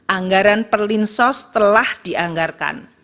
anggaran perlinsos telah dianggarkan